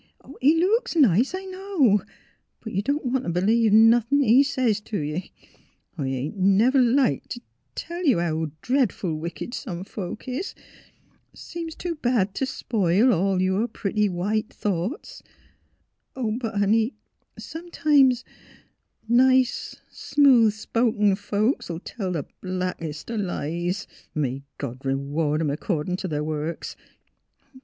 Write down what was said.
'^ He — he looks nice, I know; but you don't want t' b'lieve nothin' he says t' ye. I ain't never liked t' — t' tell you how dretful wicked some folks is. Seems too bad t' spile — all yer pretty white thoughts. But — 218 THE HEART OF PHILHRA honey — sometimes — nice, smooth spoken folks '11 tell th' blackest o' lies. — May God r'ward 'em, 'corclin' t' their works